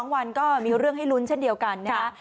๒วันก็มีเรื่องให้ลุ้นเช่นเดียวกันนะคะ